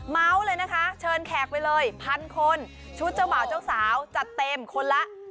เม้าส์เลยนะคะเชิญแขกไปเลย๑๐๐๐คน